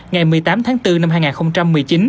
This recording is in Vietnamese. ngày một mươi tám tháng bốn năm hai nghìn một mươi chín